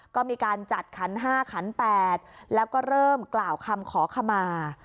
ก็มีการจัดขัน๕ขัน๘แล้วก็เริ่มกล่าวคำขอขมา